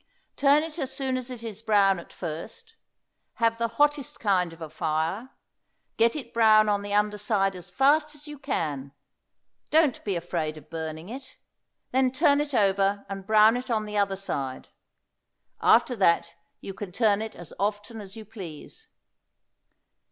Turn it as soon as it is brown at first; have the hottest kind of a fire; get it brown on the under side as fast as you can; don't be afraid of burning it; then turn it over and brown it on the other side; after that you can turn it as often as you please.